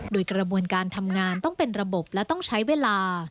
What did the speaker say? โดยกระบวนการทำงานต้องเป็นระบบและต้องใช้เวลา